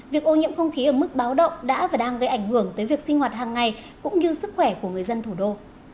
việc ô nhiễm không khí ở mức báo động đã và đang gây ảnh hưởng tới việc sinh hoạt hàng ngày cũng như sức khỏe của người dân thủ đô